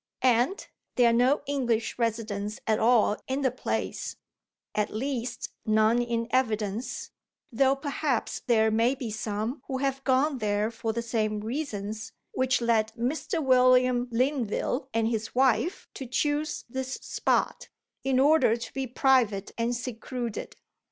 And there are no English residents at all in the place at least, none in evidence, though perhaps there may be some who have gone there for the same reasons which led Mr. William Linville and his wife to choose this spot in order to be private and secluded.